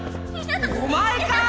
お前かぁ！